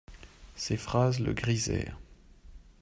Ses phrases le grisèrent.